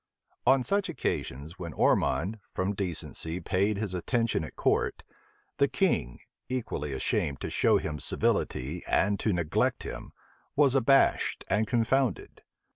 On such occasions when Ormond, from decency, paid his attendance at court, the king, equally ashamed to show him civility and to neglect him, was abashed and confounded.